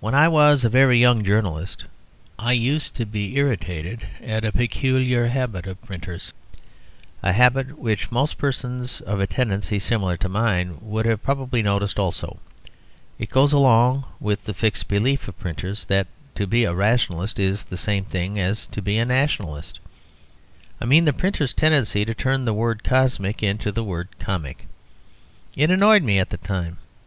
When I was a very young journalist I used to be irritated at a peculiar habit of printers, a habit which most persons of a tendency similar to mine have probably noticed also. It goes along with the fixed belief of printers that to be a Rationalist is the same thing as to be a Nationalist. I mean the printer's tendency to turn the word "cosmic" into the word "comic." It annoyed me at the time.